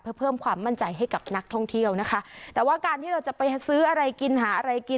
เพื่อเพิ่มความมั่นใจให้กับนักท่องเที่ยวนะคะแต่ว่าการที่เราจะไปซื้ออะไรกินหาอะไรกิน